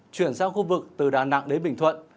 chuyển sang khu vực từ đà nẵng đến bình thuận